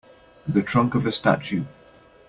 The trunk of a statue.